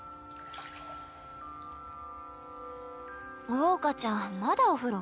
桜花ちゃんまだお風呂？